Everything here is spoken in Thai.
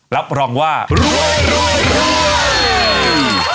รับรองว่ารวย